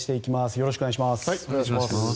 よろしくお願いします。